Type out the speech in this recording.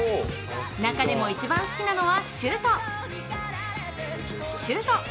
中でも一番好きなのは、シュート。